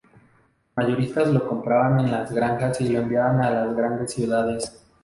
Los mayoristas lo compraban en las granjas y lo enviaban a las grandes ciudades.